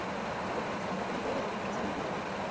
Právě tam se u něj poprvé projevil zájem o kreslení a malování.